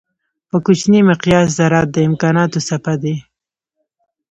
په کوچني مقیاس ذرات د امکانانو څپه دي.